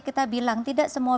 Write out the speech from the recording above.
kita bilang tidak semua